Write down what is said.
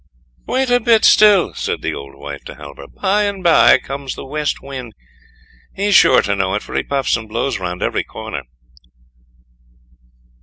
"Wait a bit still," said the old wife to Halvor, "bye and bye comes the West Wind; he's sure to know it, for he puffs and blows round every corner."